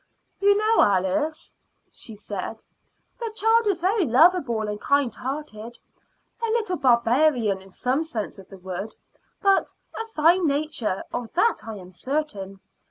"You know, Alice," she said, "the child is very lovable and kind hearted a little barbarian in some senses of the word, but a fine nature of that I am certain."